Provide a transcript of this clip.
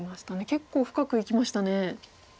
結構深くいきましたね。